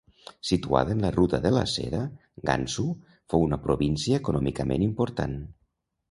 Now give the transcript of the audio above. Situada en la ruta de la Seda, Gansu fou una província econòmicament important.